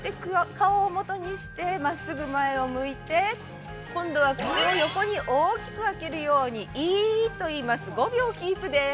顔をもとにして真っすぐ前を向いて、今度は口を横に大きく開けるようにイーといいます、５秒キープです。